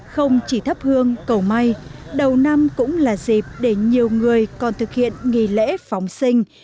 không chỉ thắp hương cầu may đầu năm cũng là dịp để nhiều người còn thực hiện nghỉ lễ phóng sinh